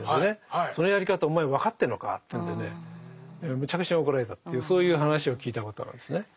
そのやり方をお前分かってんのか？というんでねむちゃくちゃ怒られたっていうそういう話を聞いたことがあるんですね。